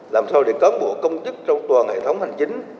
làm sao để có một bộ công chức trong toàn hệ thống hành chính